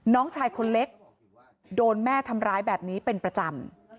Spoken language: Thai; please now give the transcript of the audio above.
น้องชายคนเล็กโดนแม่ทำร้ายแบบนี้เป็นประจำ